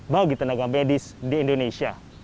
bagi tenaga medis di indonesia